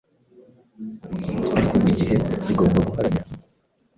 ariko buri gihe bigomba guharanira.